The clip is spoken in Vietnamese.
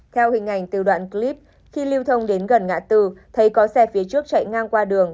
theo hình ảnh từ đoạn clip khi lưu thông đến gần ngã tư thấy có xe phía trước chạy ngang qua đường